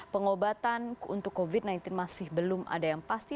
pengobatan untuk covid sembilan belas masih belum ada yang pasti